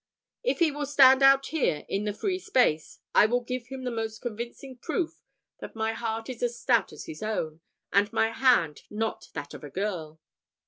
If he will stand out here in the free space, I will give him the most convincing proof that my heart is as stout as his own, and my hand not that of a girl."